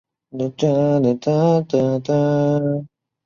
伊斯兰国透过阿马克新闻社宣称其犯下此案。